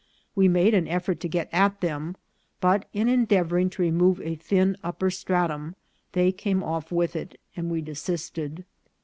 We made an effort to get at them ; but, in endeavouring to remove a thin upper stratum, they came off with it, and we desisted.